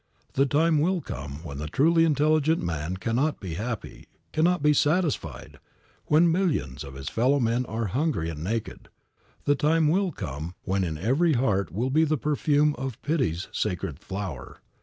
The time will come when the truly intelligent man cannot be happy, cannot be satisfied, when millions of his fellow men are hungry and naked. The time will come when in every heart will be the perfume of pity's sacred flower.